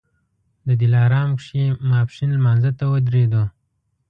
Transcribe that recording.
د دلارام کې ماسپښین لمانځه ته ودرېدو.